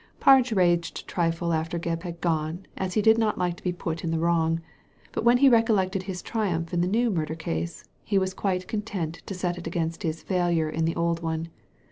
Parge raged a trifle after Gebb had gone, as he did not like to be put in the wrong ; but when he recollected his triumph in the new murder case, he was quite content to set it against his failure in the old one.